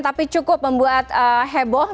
tapi cukup membuat heboh